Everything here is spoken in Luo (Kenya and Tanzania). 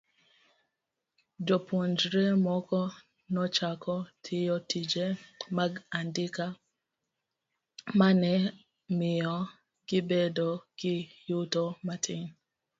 Jopuonjre moko nochako tiyo tije mag andika ma ne miyo gibedo gi yuto matin.